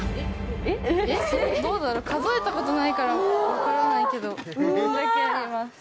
数えたことないから分からないけどこんだけあります。